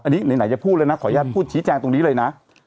อันนี้ไหนจะพูดเลยนะขออนุญาตพูดชี้แจงตรงนี้เลยนะ